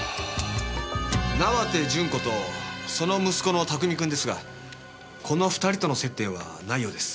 縄手順子とその息子の拓海君ですがこの２人との接点はないようです。